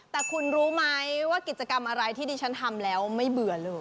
แต่คุณรู้ไหมว่ากิจกรรมอะไรที่ดิฉันทำแล้วไม่เบื่อเลย